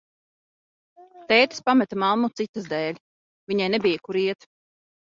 Tētis pameta mammu citas dēļ, viņai nebija, kur iet.